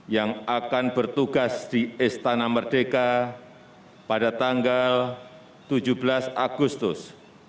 yang akan bertugas di istana merdeka pada tanggal tujuh belas agustus dua ribu dua puluh satu